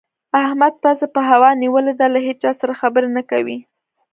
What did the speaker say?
احمد پزه په هوا نيول ده؛ له هيچا سره خبرې نه کوي.